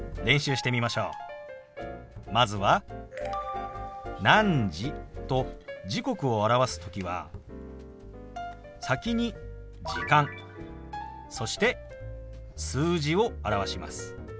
まずは「何時」と時刻を表す時は先に「時間」そして数字を表します。